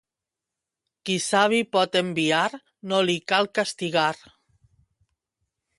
Qui savi pot enviar, no li cal castigar.